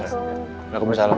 aku akanku ditinggalkan